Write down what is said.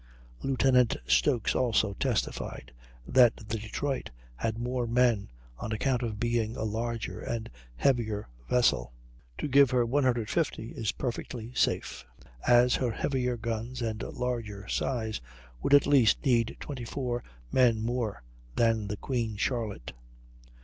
Lieutenant Stokes also testified that the Detroit had more men on account of being a larger and heavier vessel; to give her 150 is perfectly safe, as her heavier guns and larger size would at least need 24 men more than the Queen Charlotte.